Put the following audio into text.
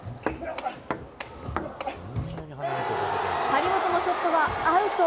張本のショットはアウト。